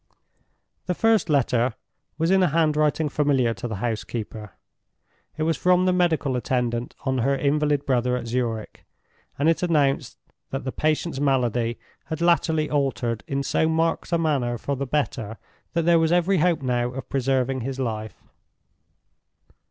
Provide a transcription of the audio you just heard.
The first letter was in a handwriting familiar to the housekeeper. It was from the medical attendant on her invalid brother at Zurich; and it announced that the patient's malady had latterly altered in so marked a manner for the better that there was every hope now of preserving his life.